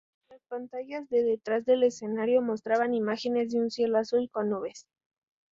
Las pantallas de detrás del escenario mostraban imágenes de un cielo azul con nubes.